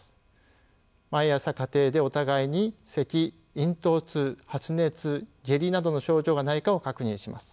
毎朝家庭でお互いにせき咽頭痛発熱下痢などの症状がないかを確認します。